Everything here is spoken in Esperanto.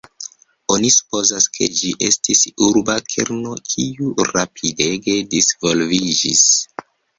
Oni supozas, ke ĝi estis urba kerno kiu rapidege disvolviĝis.